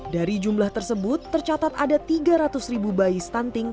dari jumlah tersebut tercatat ada tiga ratus ribu bayi stunting